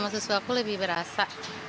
susu aku lebih berasa